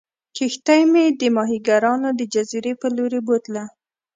کښتۍ مې د ماهیګیرانو د جزیرې په لورې بوتله.